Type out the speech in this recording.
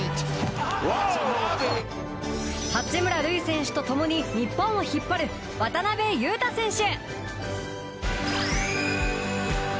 八村塁選手とともに日本を引っ張る渡邊雄太選手！